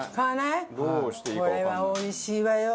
これはおいしいわよ。